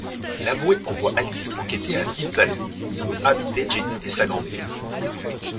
L'avoué envoie Alice enquêter à Deep Valley, où ont habité Janie et sa grand-mère.